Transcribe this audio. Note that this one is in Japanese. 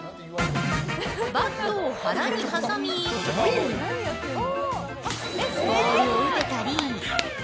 バットを腹に挟みボールを打てたり。